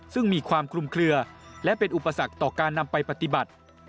ซึ่งมีความคลุมเคลือและเป็นอุปสรรคต่อการนำไปปฏิบัติ